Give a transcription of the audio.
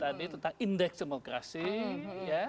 tadi tentang indeks demokrasi ya